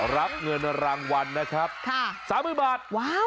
รับเงินรางวัลนะครับ๓๐๐๐บาท